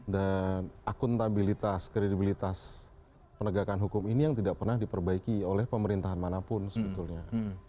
dan akuntabilitas kredibilitas penegakan hukum ini yang tidak pernah diperbaiki oleh pemerintahan manapun sebetulnya